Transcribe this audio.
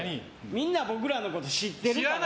みんな僕らのこと知ってるから。